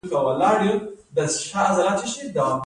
د فراه تربوز سور او خوږ وي.